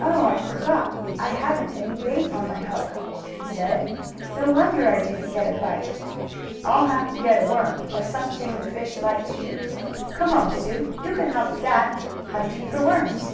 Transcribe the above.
"Oh, I forgot! I haven't any bait on my hook!" he said. "No wonder I didn't get a bite. I'll have to get a worm, or something the fish like to eat. Come on, Sue, you can help at that hunting for worms."